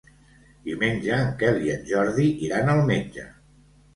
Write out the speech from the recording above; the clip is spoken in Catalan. Diumenge en Quel i en Jordi iran al metge.